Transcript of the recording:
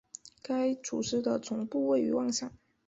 该组织的总部位于万象。